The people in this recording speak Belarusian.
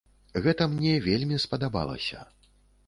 Гэта мне вельмі спадабалася.